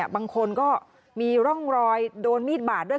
บางคนก็มีร่องรอยโดนมีดบาดด้วย